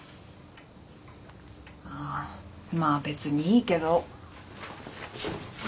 ああまあ別にいいけど。